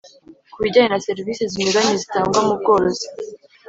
Ku bijyanye na serivisi zinyuranye zitangwa mu bworozi